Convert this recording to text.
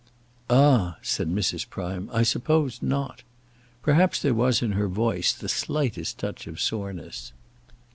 "Ah," said Mrs. Prime, "I suppose not." Perhaps there was in her voice the slightest touch of soreness.